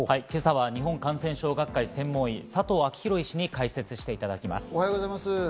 今朝は日本感染症学会・専門医の佐藤昭裕医師に解説していただきます。